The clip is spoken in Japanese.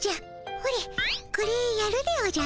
ほれこれやるでおじゃる。